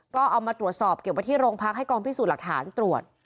ก็เอามาตรวจสอบเก็บไว้ที่โรงพักให้กองพิสูจน์หลักฐานตรวจ